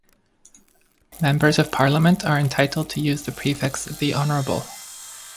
Members of Parliament are entitled to use the prefix "The Honourable".